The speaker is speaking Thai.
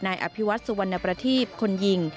อภิวัตสุวรรณประทีปคนยิง